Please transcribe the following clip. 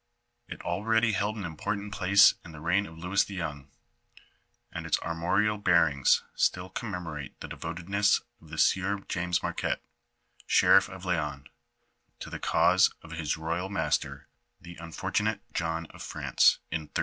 It already held an important place in the reign of Louis the young, and its armorial bearings still commemorate the devoted ness of the sieur James Marquette, sheriff of Laon, to the cause of his royal master, the unfortunate John of France, in 1360.